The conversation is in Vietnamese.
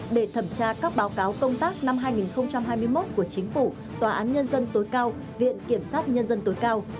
để thẩm tra các báo cáo công tác năm hai nghìn hai mươi một của chính phủ tòa án nhân dân tối cao viện kiểm sát nhân dân tối cao